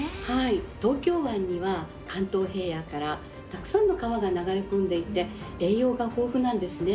東京湾には関東平野からたくさんの川が流れ込んでいて栄養が豊富なんですね。